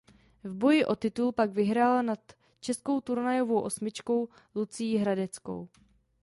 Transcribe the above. V boji o titul pak vyhrála nad českou turnajovou osmičkou Lucií Hradeckou.